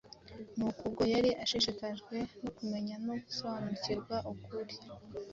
Nuko, ubwo yari ashishikajwe no kumenya no gusobanukirwa ukuri,